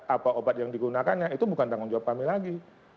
apa obat yang digunakannya itu bukan tanggung jawab kami lagi